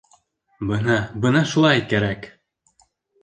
— Бына, бына шулай кәрәк!